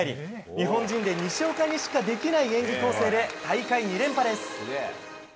日本人で西岡にしかできない演技構成で大会２連覇です。